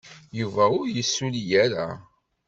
Yuba ur yessulli ara.